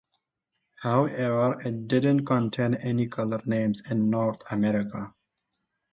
However, it didn't contain any color names in North America.